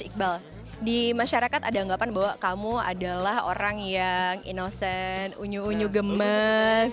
iqbal di masyarakat ada anggapan bahwa kamu adalah orang yang inosen unyu unyu gemes